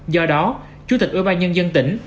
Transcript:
do đó chủ tịch ubnd tỉnh